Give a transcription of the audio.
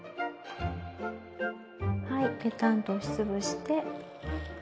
はいぺたんと押し潰して。